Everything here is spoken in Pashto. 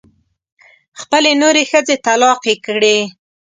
خپلې نورې ښځې طلاقې کړې.